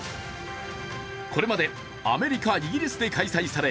これまでアメリカ、イギリスで開催され